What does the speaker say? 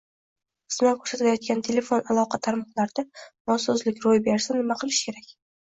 xizmat ko’rsatayotgan telefon aloqa tarmoqlarida nosozlik ro’y bersa nima qilish kerak?